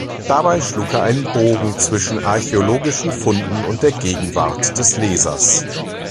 Dabei schlug er einen Bogen zwischen archäologischen Funden und der Gegenwart des Lesers.